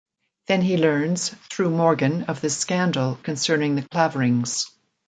Then he learns, through Morgan, of the scandal concerning the Claverings.